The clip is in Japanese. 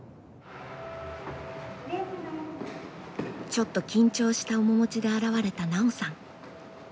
ちょっと緊張した面持ちで現れた奈緒さん。